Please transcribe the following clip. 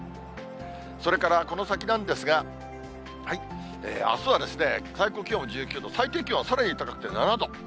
それからこの先なんですが、あすはですね、最高気温１９度、最低気温はさらに高くて７度。